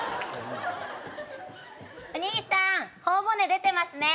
お兄さん頬骨出てますね。